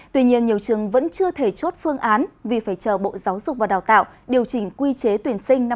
tuy nhiên nhiều trường vẫn chưa thể chốt phương án vì phải chờ bộ giáo dục và đào tạo điều chỉnh quy chế tuyển sinh năm hai nghìn hai mươi